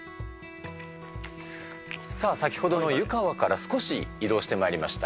さあ、先ほどの湯川から少し移動してまいりました。